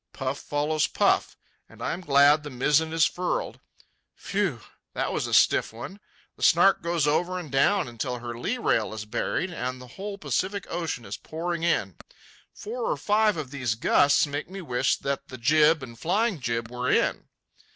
Puff follows puff, and I am glad the mizzen is furled. Phew! that was a stiff one! The Snark goes over and down until her lee rail is buried and the whole Pacific Ocean is pouring in. Four or five of these gusts make me wish that the jib and flying jib were in.